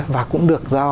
và cũng được do